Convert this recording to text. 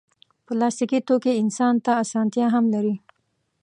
پلاستيکي توکي انسان ته اسانتیا هم لري.